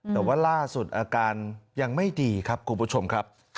แต่ว่าล่าสุดอาการยังไม่ดีครับคุณผู้ชมครับ